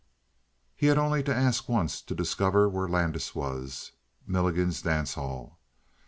He had only to ask once to discover where Landis was: Milligan's dance hall.